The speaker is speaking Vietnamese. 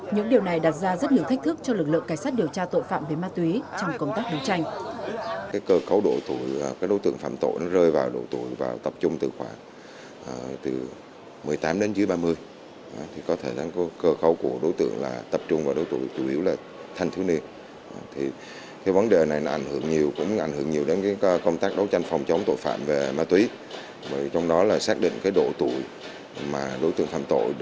những điều này đặt ra rất nhiều thách thức cho lực lượng cảnh sát điều tra tội phạm về ma túy trong công tác đấu tranh